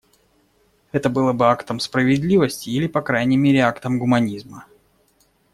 Это было бы актом справедливости или, по крайней мере, актом гуманизма.